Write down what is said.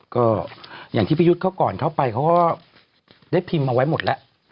ก็อย่างที่พี่ยุทธ์เขาก่อนเข้าไปเขาก็ได้พิมพ์เอาไว้หมดแล้ว